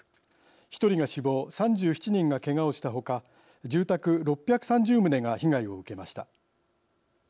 １人が死亡３７人がけがをしたほか住宅６３０棟が被害を受けました。